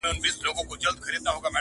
o د ډول اواز له ليري ښه خوند کوي!